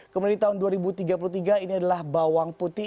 kemudian di tahun dua ribu tiga puluh tiga ini adalah bawang putih